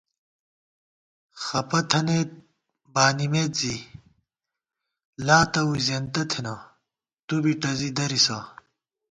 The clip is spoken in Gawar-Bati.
خپہ تھنَئیت بانِمېت زی لاتہ ووئی زېنتہ تھنہ تُو بی ٹَزی درِسہ